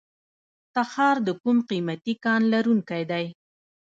تخار د کوم قیمتي کان لرونکی دی؟